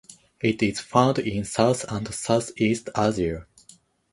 It is found in South and Southeast Asia.